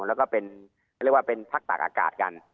แล้วก็เป็นเขาเรียกว่าเป็นพักตากอากาศกัน